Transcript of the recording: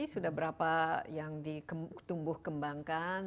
sudah berapa yang ditumbuh kembangkan